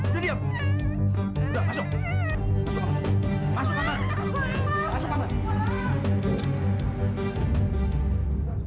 kalau kamu tidak menurut kayak gini nih caranya